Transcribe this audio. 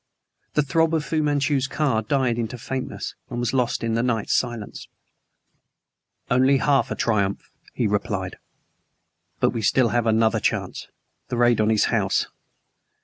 The throb of Fu Manchu's car died into faintness and was lost in the night's silence. "Only half a triumph," he replied. "But we still have another chance the raid on his house.